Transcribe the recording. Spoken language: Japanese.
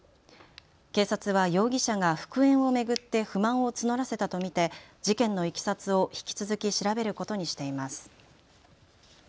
警察は容疑者が復縁を巡って不満を募らせたと見て事件のいきさつを引き続き調べることにしています。